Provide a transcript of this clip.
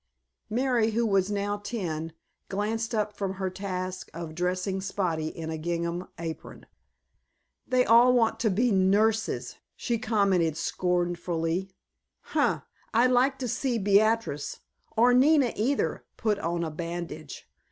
Mary, who was now ten, glanced up from her task of dressing Spotty in a gingham apron. "They all want to be nurses," she commented scornfully. "Huh! I'd like to see Beatrice—or Nina either—put on a bandage!